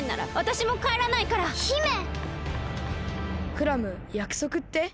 クラムやくそくって？